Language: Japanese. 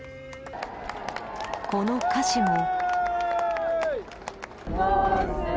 この歌詞も。